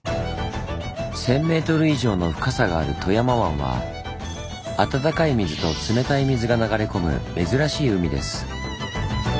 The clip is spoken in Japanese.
１，０００ｍ以上の深さがある富山湾は暖かい水と冷たい水が流れ込む珍しい海です。